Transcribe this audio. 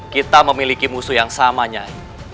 kita memiliki musuh yang sama nyai